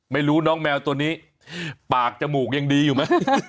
ไม่รู้น้องแมวตัวนี้ปากจมูกยังดีอยู่ไหม